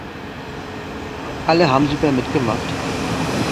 Alle haben super mitgemacht.